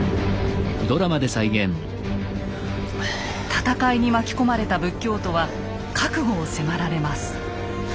戦いに巻き込まれた仏教徒は覚悟を迫られます。